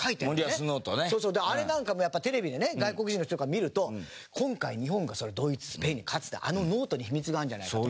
あれなんかもテレビでね外国人の人とかが見ると今回日本がドイツスペインに勝つってあのノートに秘密があるんじゃないかと。